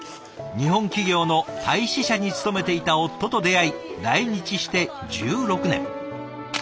日本企業のタイ支社に勤めていた夫と出会い来日して１６年。